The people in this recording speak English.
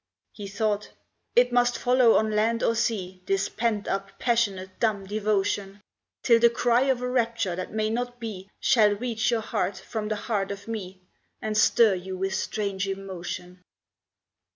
He thought "It must follow on land or sea, This pent up, passionate, dumb devotion, Till the cry of a rapture that may not be Shall reach your heart from the heart of me And stir you with strange emotion."